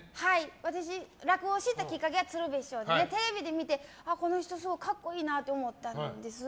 私、落語を知ったきっかけが鶴瓶師匠でテレビで見て、この人すごい格好いいなと思ったんです。